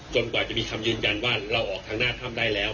กว่าจะมีคำยืนยันว่าเราออกทางหน้าถ้ำได้แล้ว